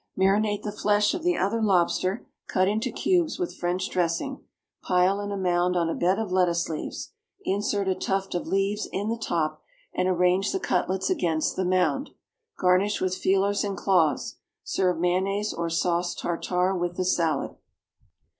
Marinate the flesh of the other lobster, cut into cubes, with French dressing; pile in a mound on a bed of lettuce leaves. Insert a tuft of leaves in the top, and arrange the cutlets against the mound. Garnish with feelers and claws. Serve mayonnaise or sauce tartare with the salad.